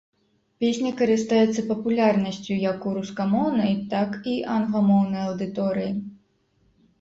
Песня карыстаецца папулярнасцю, як у рускамоўнай, так і англамоўнай аўдыторыі.